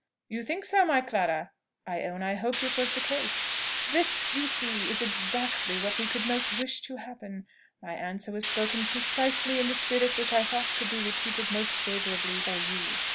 "You think so, my Clara? I own I hoped it was the case. This, you see, is exactly what we could most wish to happen. My answer was spoken precisely in the spirit which I thought could be repeated most favourably for you.